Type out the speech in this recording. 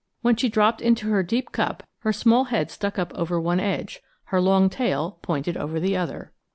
When she dropped into her deep cup her small head stuck up over one edge, her long tail pointed over the other.